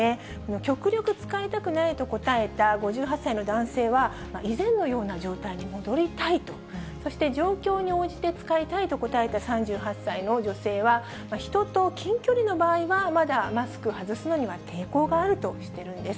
極力使いたくないと答えた５８歳の男性は、以前のような状態に戻りたいと、そして状況に応じて使いたいと答えた３８歳の女性は、人と近距離の場合は、まだマスク外すのには抵抗があるとしているんです。